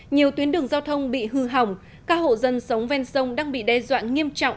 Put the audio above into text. nhiều tuyến đường giao thông bị hư hỏng các hộ dân sống ven sông đang bị đe dọa nghiêm trọng